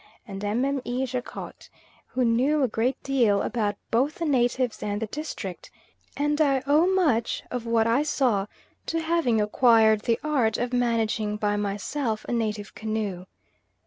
and Mme. Jacot, who knew a great deal about both the natives and the district, and I owe much of what I saw to having acquired the art of managing by myself a native canoe.